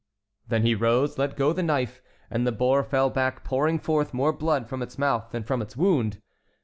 Then he rose, let go the knife, and the boar fell back pouring forth more blood from its mouth than from its wound.